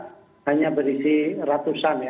hanya berisi ratusan ya